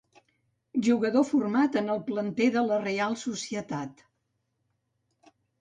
Jugador format en el planter de la Reial Societat.